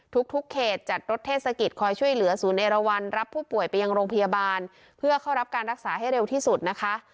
ทุกเขตจัดรถเทศกิจคอยช่วยเหลือศูนย์เอราวันรับผู้ป่วยไปยังโรงพยาบาลเพื่อเข้ารับการรักษาให้เร็วที่สุดนะคะ